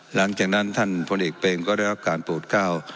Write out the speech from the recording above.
หลังจากนั้นท่านพลเอกเปรมก็ได้รับการโปรดก้าว